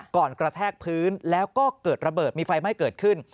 กระแทกพื้นแล้วก็เกิดระเบิดมีไฟไหม้เกิดขึ้น